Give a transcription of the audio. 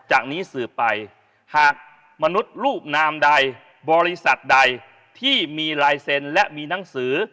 จากนี้สืบไปหากมนุษย์รูปนามใดบริษัทใดที่มีลายเซ็นต์และมีหนังสือ